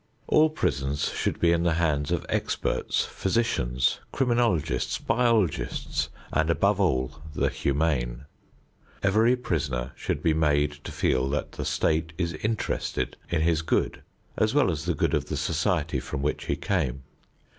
All prisons should be in the hands of experts, physicians, criminologists, biologists, and, above all, the humane. Every prisoner should be made to feel that the state is interested in his good as well as the good of the society from which he came.